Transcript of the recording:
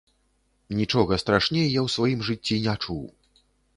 Нічога страшней я ў сваім жыцці не чуў.